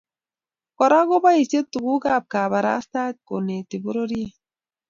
Kora keboisie tugukab kabarastaet kenete pororiet